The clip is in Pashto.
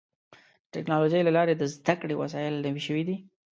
د ټکنالوجۍ له لارې د زدهکړې وسایل نوي شوي دي.